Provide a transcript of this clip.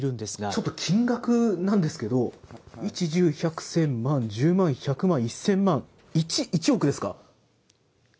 ちょっと金額なんですけど、一、十、百、千、万、１０万、１００万、１０００万、１、１億ですか。